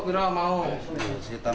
berapa harga seharian